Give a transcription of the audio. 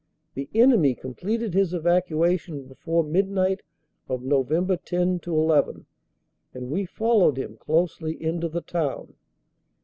The enemy com pleted his evacuation before midnight of Nov. 10 11, and we followed him closely into the town.